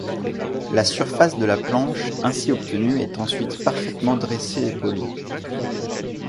La surface de la planche ainsi obtenue est ensuite parfaitement dressée et polie.